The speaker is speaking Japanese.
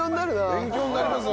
勉強になりますわ。